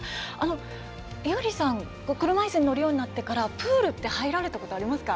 猪狩さん、車いすに乗るようになってからプールって入られたことありますか？